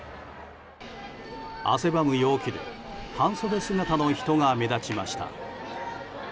汗ばむ陽気で半袖姿の人が目立ちました。